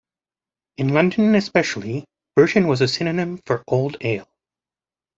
In London especially, Burton was a synonym for old ale.